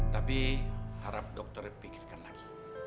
tapi harap dokter pikirkan lagi